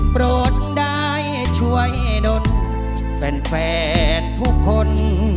โปรดได้ช่วยดนแฟนทุกคน